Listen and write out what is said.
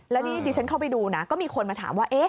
แล้วนี่ดิฉันเข้าไปดูนะก็มีคนมาถามว่า